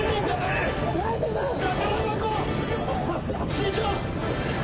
師匠。